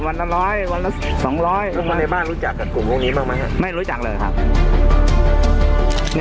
นี่อ่ะ